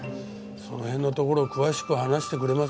その辺のところを詳しく話してくれませんか？